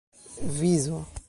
vizo